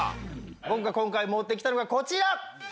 僕が今回持ってきたのがこちら！